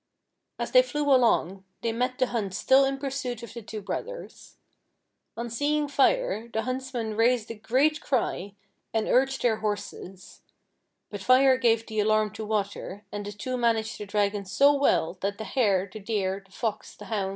As the}' fiew along they met the hunt still in pursuit of the two brothers. On seeing Fire, the huntsmen raised a great cry, and urged their horses ; but Fire gave the alarm to Water, and the two managed the Dragon so well that the Hare, the Deer, the Fox, the hound.